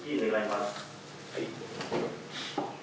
はい。